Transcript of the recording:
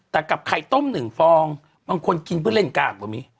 แต่กับไข่ต้ม๑ฟองบางคนกินเพื่อเล่นกากก็มี